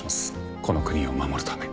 この国を守るために。